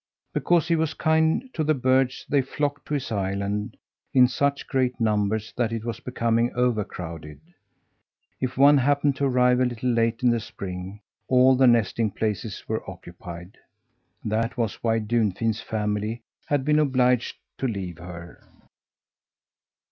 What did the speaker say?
Because he was kind to the birds, they flocked to his island in such great numbers that it was becoming overcrowded. If one happened to arrive a little late in the spring, all the nesting places were occupied. That was why Dunfin's family had been obliged to leave her.